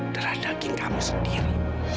terhadapin kamu sendiri